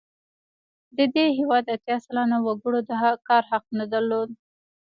د دې هېواد اتیا سلنه وګړو د کار حق نه درلود.